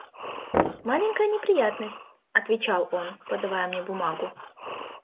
«Маленькая неприятность, – отвечал он, подавая мне бумагу.